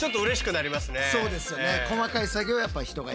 そうですよね。